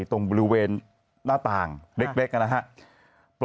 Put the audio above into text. ตรงบริเวณหน้าต่างเล็กนะครับ